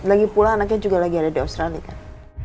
lagi pulang anaknya juga lagi ada di australia kan